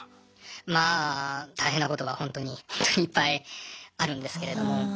まあ大変なことがほんとにほんとにいっぱいあるんですけれども。